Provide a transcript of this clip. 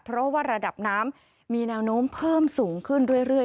เพราะว่าระดับน้ำมีแนวโน้มเพิ่มสูงขึ้นเรื่อย